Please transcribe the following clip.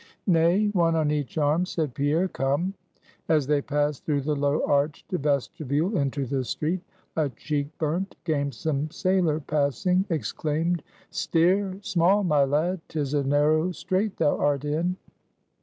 "Nay, one on each arm" said Pierre "come!" As they passed through the low arched vestibule into the street, a cheek burnt, gamesome sailor passing, exclaimed "Steer small, my lad; 'tis a narrow strait thou art in!"